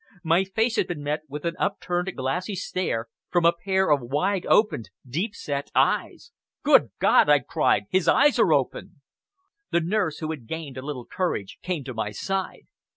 My gaze had been met with an upturned glassy stare from a pair of wide opened, deep set eyes! "Good God!" I cried, "his eyes are open!" The nurse, who had gained a little courage, came to my side.